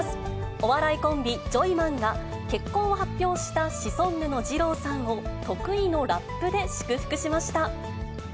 お笑いコンビ、ジョイマンが、結婚を発表したシソンヌのじろうさんを、得意のラップで祝福しました。